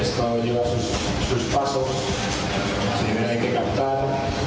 suspaso sehingga dia dikehentai